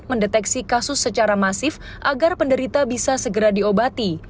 mendeteksi kasus secara masif agar penderita bisa segera diobati